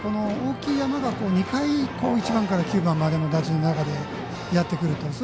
大きい山が２回１番から９番までの打順の中でやってくると。